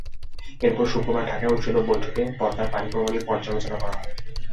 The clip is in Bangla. এরপর শুক্রবার ঢাকায় অনুষ্ঠিত বৈঠকে পদ্মার পানিপ্রবাহ নিয়ে পর্যালোচনা করা হয়।